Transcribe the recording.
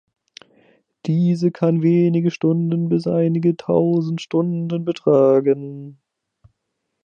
Diese kann wenige Stunden bis einige tausend Stunden betragen.